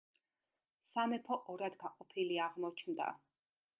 სამეფო ორად გაყოფილი აღმოჩნდა.